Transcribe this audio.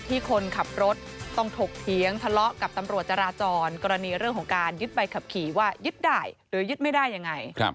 ที่คนขับรถต้องถกเถียงสงครอง